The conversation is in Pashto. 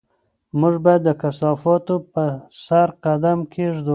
موږ باید د کثافاتو په سر قدم کېږدو.